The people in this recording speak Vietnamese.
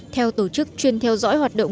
theo tổ chức chuyên theo dõi hoạt động